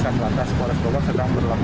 sepanjang jalur berlapis di jawa tenggara